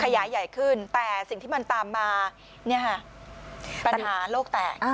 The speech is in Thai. ขยายใหญ่ขึ้นแต่สิ่งที่มันตามมาปัญหาโลกแตก